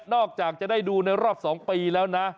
จากจะได้ดูในรอบ๒ปีแล้วนะ